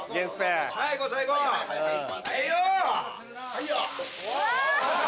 はいよ。